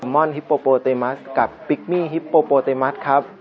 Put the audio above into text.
มอนฮิปโปโตเตมัสกับปิกมี่ฮิปโปโตเตมัส